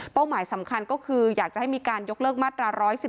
หมายสำคัญก็คืออยากจะให้มีการยกเลิกมาตรา๑๑๒